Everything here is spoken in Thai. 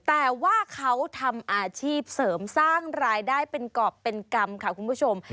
แต่ว่าเขาทำอาชีพเสริมสร้างรายได้เป็นกรอบเป็นกรรมค่ะคุณผู้ชม